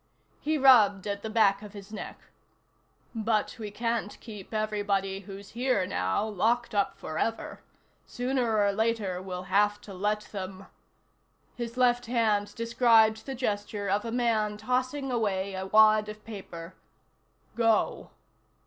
He rubbed at the back of his neck. "But we can't keep everybody who's here now locked up forever. Sooner or later we'll have to let them " His left hand described the gesture of a man tossing away a wad of paper "go."